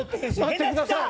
待ってください！